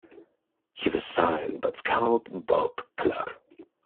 He was signed by scout Bob Cluck.